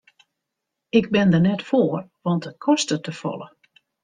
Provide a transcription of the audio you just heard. Ik bin der net foar want it kostet te folle.